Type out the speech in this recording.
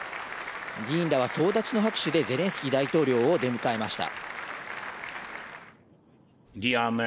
議員らは総立ちの拍手でゼレンスキー大統領を出迎えました。